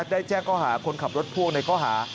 ได้แจ้งเรื่องของข้อหาคนขับรถพวกในข้อหา